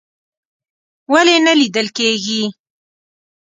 ولې نه لیدل کیږي؟